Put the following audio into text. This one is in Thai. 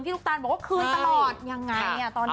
ลูกตาลบอกว่าคืนตลอดยังไงตอนนี้